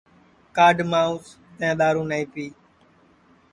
کھاڈھ مانٚوس تیں دؔارو نائی پی